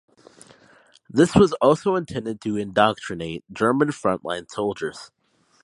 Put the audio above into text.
This was also intended to indoctrinate German front line soldiers.